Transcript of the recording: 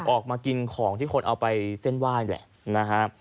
ออกมากินของที่คนเอาไปเส้นไหว้แหละนะฮะ